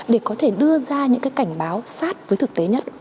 để có thể đưa ra những cái cảnh báo sát với thực tế nhất